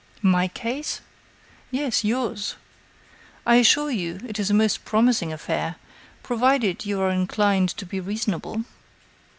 "My case?" "Yes, yours. I assure you it is a most promising affair, provided you are inclined to be reasonable."